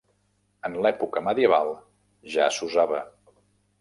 En l'època medieval ja s'usava.